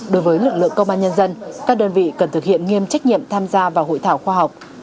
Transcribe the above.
đối với lực lượng công an nhân dân các đơn vị cần thực hiện nghiêm trách nhiệm tham gia vào hội thảo khoa học